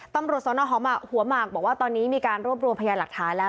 ตำรวจสนหอมหัวหมากบอกว่าตอนนี้มีการรวบรวมพยานหลักฐานแล้ว